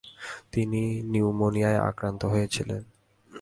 তিনি নিউমোনিয়ায় আক্রান্ত হয়েছিলেন।